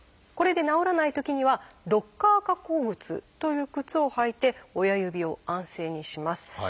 これで治らないときには「ロッカー加工靴」という靴を履いて親指を安静にします。